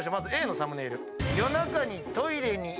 Ａのサムネイル。